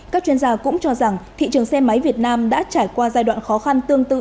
các chuyên gia cũng cho rằng thị trường xe máy việt nam đã trải qua giai đoạn khó khăn tương tự